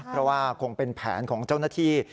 เพราะว่าคงเป็นแผนของเจ้าหน้าที่